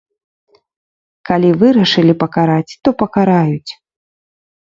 Калі вырашылі пакараць, то пакараюць.